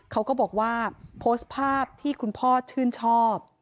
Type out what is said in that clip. เขาก็บอกว่าโพสต์ภาพที่คุณพ่อชื่นชอบ